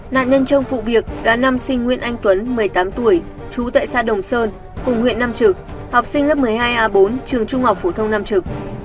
nạn nhân trong vụ việc là nam sinh nguyễn anh tuấn một mươi tám tuổi trú tại xã đồng sơn cùng huyện nam trực học sinh lớp một mươi hai a bốn trường trung học phổ thông nam trực